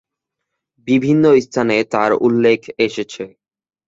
বিভিন্ন স্থানে তার উল্লেখ এসেছে।